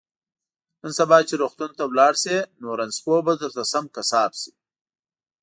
نن سبا چې روغتون ته لاړ شي نو رنځپوه به درته سم قصاب شي